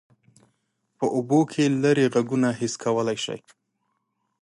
په اوبو کې لیرې غږونه حس کولی شي.